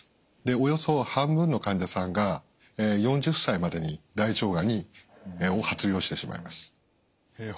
およそ半分の患者さんが４０歳までに大腸がんを発病してしまいます。